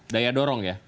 daya dorong ya